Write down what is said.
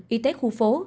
y tế khu phố